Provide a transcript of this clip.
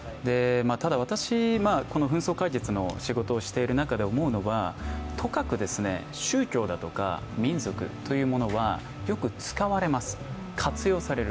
ただ、私、紛争解決の仕事をしている中で思うのはとかく宗教だとか民族というものはよく使われます、活用される。